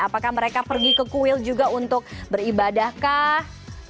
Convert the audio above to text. apakah mereka pergi ke kuil juga untuk beribadah kah